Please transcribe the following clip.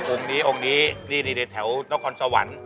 อุ่งนี้ในแถวนกรสวรรษ